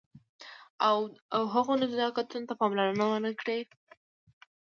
او هغو نزاکتونو ته پاملرنه ونه کړئ.